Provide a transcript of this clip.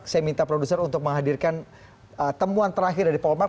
saya minta produser untuk menghadirkan temuan terakhir dari polmark